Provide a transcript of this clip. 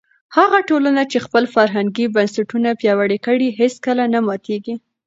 هغه ټولنه چې خپل فرهنګي بنسټونه پیاوړي کړي هیڅکله نه ماتېږي.